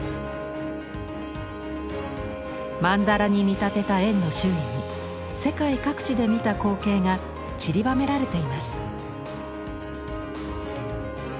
曼荼羅に見立てた円の周囲に世界各地で見た光景がちりばめられています。